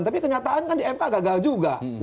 tapi kenyataan kan di m a gagal juga